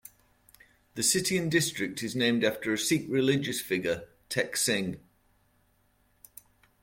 The city and district is named after a Sikh religious figure Tek Singh.